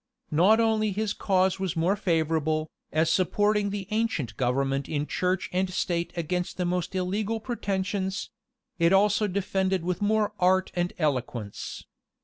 Not only his cause was more favorable, as supporting the ancient government in church and state against the most illegal pretensions; it was also defended with more art and eloquence.